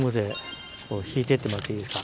敷いてってもらっていいですか。